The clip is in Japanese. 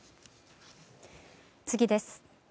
次です。